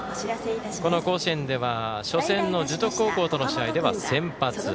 この甲子園では初戦の樹徳高校との試合で先発。